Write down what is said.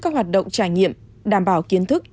các hoạt động trải nghiệm đảm bảo kiến thức